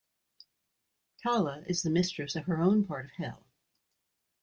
Tala is the mistress of her own part of Hell.